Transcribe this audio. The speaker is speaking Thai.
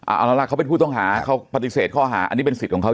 เอาล่ะเขาเป็นผู้ต้องหาเขาปฏิเสธข้อหาอันนี้เป็นสิทธิ์ของเขา